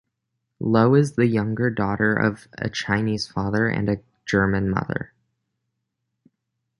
Loh is the younger daughter of a Chinese father and a German mother.